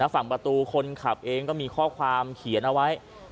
ฝั่งประตูคนขับเองก็มีข้อความเขียนเอาไว้